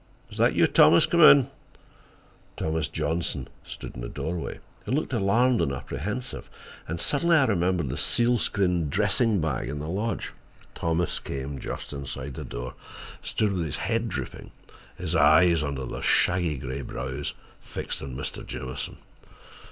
Is that you, Thomas? Come in." Thomas Johnson stood in the doorway. He looked alarmed and apprehensive, and suddenly I remembered the sealskin dressing bag in the lodge. Thomas came just inside the door and stood with his head drooping, his eyes, under their shaggy gray brows, fixed on Mr. Jamieson.